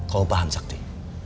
kau paham zakti